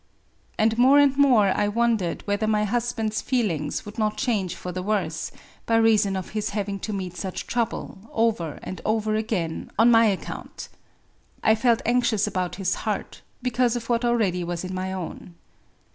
And more and more I wondered whether my husband's feelings would not change for the worse, by reason of his having to meet such trouble, over and over again, on my account. I felt anxious about his heart, because of what already was in my own.